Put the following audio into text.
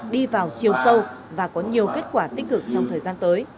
đi vào chiều sâu và có nhiều kết quả tích cực trong thời gian tới